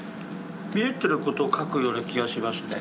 見えてることを描くような気がしますね。